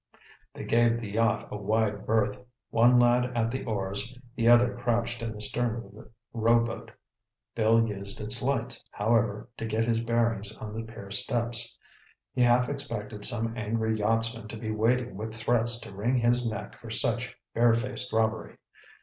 They gave the yacht a wide berth, one lad at the oars, the other crouched in the stern of the rowboat. Bill used its lights, however, to get his bearings on the pier steps. He half expected some angry yachtsman to be waiting with threats to wring his neck for such bare faced robbery.